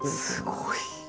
すごい！